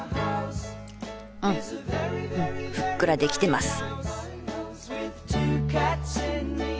うんうんふっくらできてます。